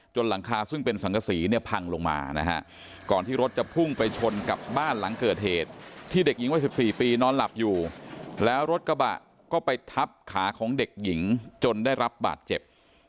หลังคาซึ่งเป็นสังกษีเนี่ยพังลงมานะฮะก่อนที่รถจะพุ่งไปชนกับบ้านหลังเกิดเหตุที่เด็กหญิงวัย๑๔ปีนอนหลับอยู่แล้วรถกระบะก็ไปทับขาของเด็กหญิงจนได้รับบาดเจ็บ